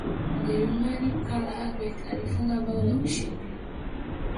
mjerumani karl havertz alifunga bao la ushindi